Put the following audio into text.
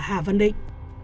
hà văn định